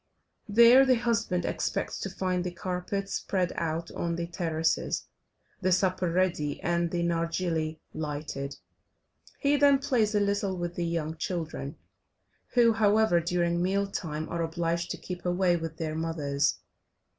There the husband expects to find the carpets spread out on the terraces, the supper ready, and the nargilly lighted, he then plays a little with the young children, who, however, during meal time are obliged to keep away with their mothers.